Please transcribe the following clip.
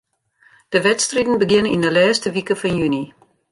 De wedstriden begjinne yn 'e lêste wike fan juny.